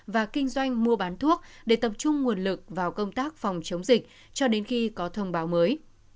và kinh doanh mua bán thuốc để tập trung nguồn lực vào công tác phòng chống dịch cho đến khi có thông báo mới